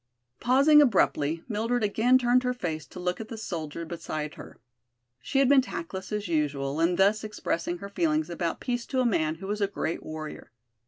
Pausing abruptly, Mildred again turned her face to look at the soldier beside her. She had been tactless as usual in thus expressing her feelings about peace to a man who was a great warrior.